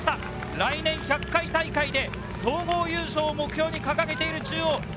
来年１００回大会で総合優勝を目標に掲げている中央。